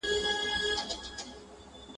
ټولنیز بدلونونه وخت په وخت پیښیږي.